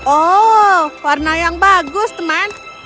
oh warna yang bagus teman